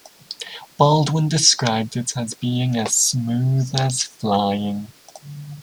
Baldwin described it as being as smooth as flying.